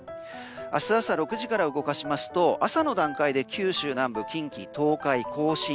明日朝６時から動かしますと朝の段階で九州南部、近畿、東海、甲信